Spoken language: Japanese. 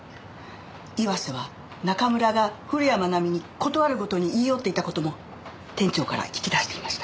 岩瀬は中村が古谷愛美に事あるごとに言い寄っていた事も店長から聞き出していました。